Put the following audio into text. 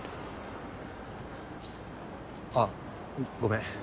あっごめん。